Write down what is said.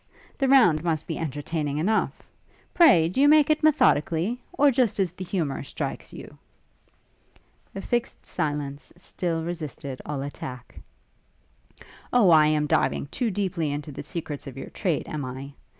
The round must be entertaining enough. Pray do you make it methodically? or just as the humour strikes you?' A fixed silence still resisted all attack. 'O, I am diving too deeply into the secrets of your trade, am I?